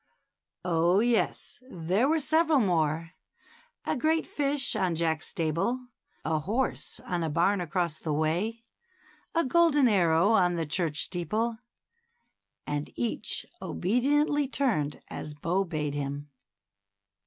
Oh, yes ; there were several more, — a great fish on Jack's stable, a horse on a barn across the way, a golden arrow on the church steeple, — and each obediently turned as Bo bade him.